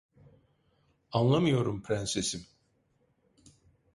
Anlamıyorum prensesim…